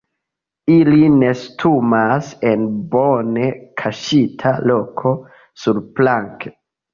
Ili nestumas en bone kaŝita loko surplanke.